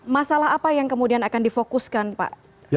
masalah apa yang kemudian akan difokuskan pak